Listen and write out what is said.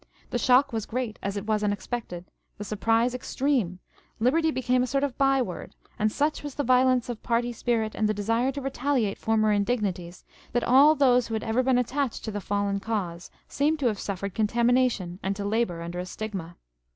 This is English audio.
The shock was great, as it was unexpected ; the surprise extreme : Liberty became a sort of bye word ; and such was the violence of party spirit and the desire to retaliate former indignities, that all those who had ever been attached to the fallen cause seemed to have suffered contamination and to labour under a stigma.